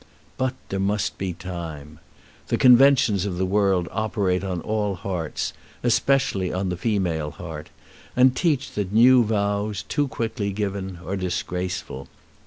But there must be time! The conventions of the world operate on all hearts, especially on the female heart, and teach that new vows, too quickly given, are disgraceful.